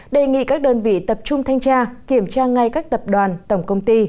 đề nghị các đơn vị tập trung thanh tra kiểm tra ngay các tập đoàn tổng công ty